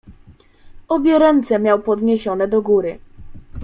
"Obie ręce miał podniesione do góry."